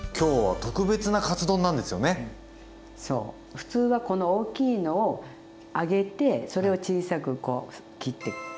普通はこの大きいのを揚げてそれを小さくこう切ってって。